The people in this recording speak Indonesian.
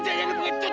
jangan jadi pengecut